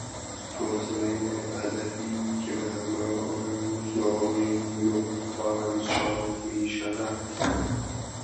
جزوهی ادبی که به همراه روزنامهی نیویورک تایمز چاپ میشود